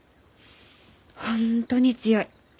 本当に強い！